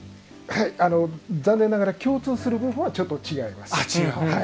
残念ながら共通する部分はちょっと違います。